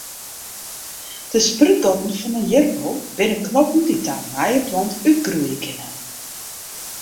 De sprútgatten fan in ierappel binne knoppen dy't ta in nije plant útgroeie kinne.